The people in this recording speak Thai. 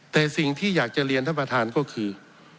แต่สิ่งที่อยากจะเรียนท่านประธานก็คือ